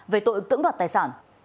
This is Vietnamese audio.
về tội tưởng đoạt tài sản